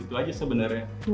itu aja sebenarnya